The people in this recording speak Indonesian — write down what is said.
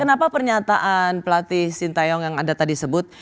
kenapa pernyataan pelatih sintayong yang anda tadi sebut